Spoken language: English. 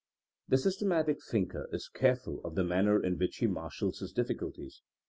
The systematic thinker is careful of the man ner in which he marshals his diflSculties.